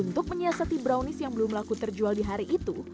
untuk menyiasati brownies yang belum laku terjual di hari itu